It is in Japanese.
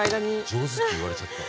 上手って言われちゃった。